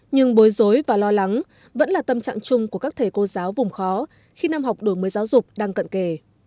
nhưng bối rối và lo lắng vẫn là tâm trạng chung của các thầy cô giáo vùng khó khi năm học đổi mới giáo dục đang cận kề